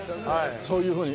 そういうふうに。